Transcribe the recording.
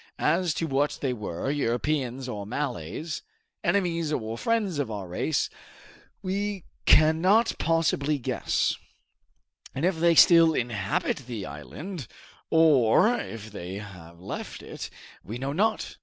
As to what they were, Europeans or Malays, enemies or friends of our race, we cannot possibly guess; and if they still inhabit the island, or if they have left it, we know not.